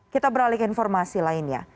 kita beralih ke informasi lainnya